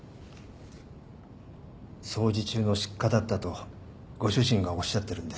掃除中の失火だったとご主人がおっしゃってるんです。